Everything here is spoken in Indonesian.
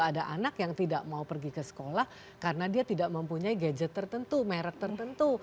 ada anak yang tidak mau pergi ke sekolah karena dia tidak mempunyai gadget tertentu merek tertentu